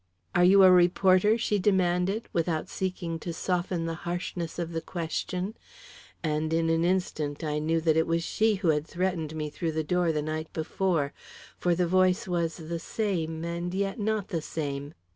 "Are you a reporter?" she demanded, without seeking to soften the harshness of the question, and in an instant I knew that it was she who had threatened me through the door the night before, for the voice was the same and yet not the same.